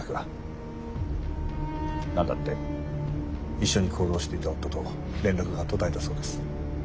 一緒に行動していた夫と連絡が途絶えたそうです。